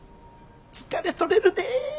疲れ取れるで。